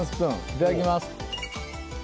いただきます。